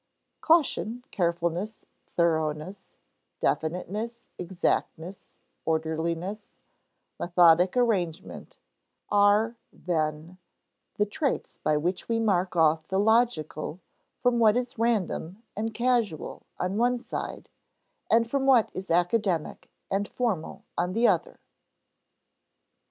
Caution, carefulness, thoroughness, definiteness, exactness, orderliness, methodic arrangement, are, then, the traits by which we mark off the logical from what is random and casual on one side, and from what is academic and formal on the other.